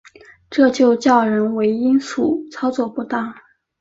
这就叫人为因素操作不当